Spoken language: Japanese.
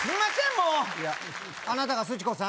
もういやあなたがすちこさん？